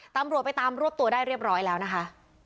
ตำรวจไปตามรวบตัวได้เรียบร้อยแล้วนะคะ